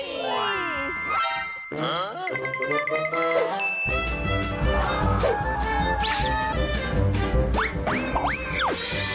ฮือ